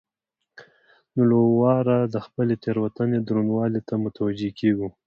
نو له واره د خپلې تېروتنې درونوالي ته متوجه کېږو.